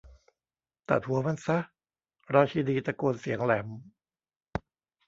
ตัดหัวมันซะ ! ราชินีตะโกนเสียงแหลม